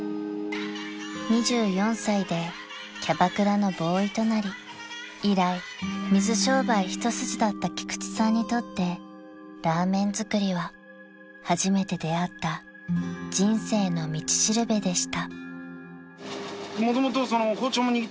［２４歳でキャバクラのボーイとなり以来水商売一筋だった菊池さんにとってラーメン作りは初めて出合った人生の道しるべでした］